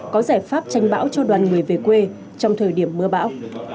có giải pháp tranh bão cho đoàn người về quê trong thời điểm mưa bão